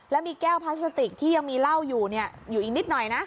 แล้วมีแก้วพลาสติกที่ยังมีเหล้าอยู่อยู่อีกนิดหน่อยนะ